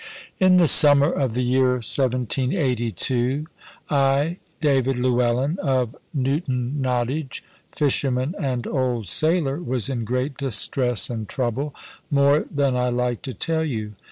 In the summer of the year 1782, I, David Llewellyn, of Newton Nottage, fisherman and old sailor, was in great distress and trouble, more than I like to tell you.